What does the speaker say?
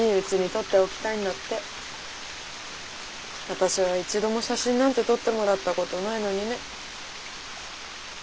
私は一度も写真なんて撮ってもらったことないのにね。